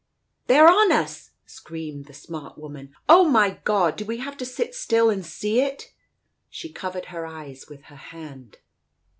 •.. "They're on us !" screamed the smart woman. "Oh, my God ! Do we have to sit still and see it ?" She covered her eyes with her hand.